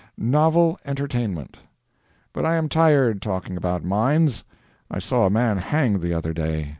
NOVEL ENTERTAINMENT But I am tired talking about mines. I saw a man hanged the other day.